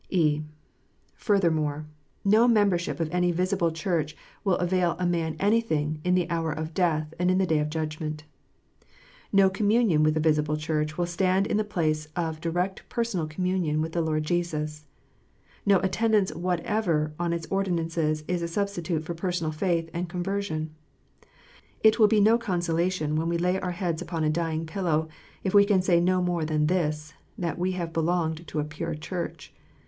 (e) Furthermore, no mere membership of any visible Church will avail a man anything " in the hour of death and in the day of judgment." No communion with a visible Church will stand in the place of direct personal communion with the Lord Jesus. Xo attendance whatever on its ordinances is a substitute for personal faith and conversion. It will be no consolation when we lay our heads upon a dying pillow, if we can say no more than this, that we have belonged to a pure Church.